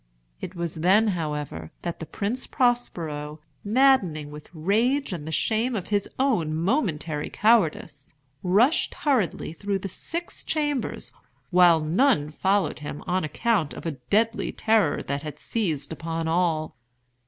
It was then, however, that the Prince Prospero, maddening with rage and the shame of his own momentary cowardice, rushed hurriedly through the six chambers, while none followed him on account of a deadly terror that had seized upon all.